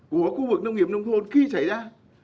của khu vực nông nghiệp nông thôn khi xảy ra